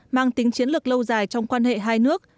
mang tính chiến lược lâu dài trong quan hệ hai nước